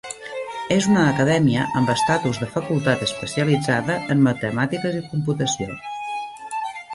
És una acadèmia amb estatus de facultat especialitzada en matemàtiques i computació.